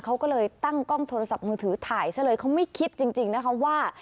เขาก็เลยตั้งกล้องโทรศัพท์มือถือถ่ายซะเลยเขาไม่คิดจริงนะคะว่า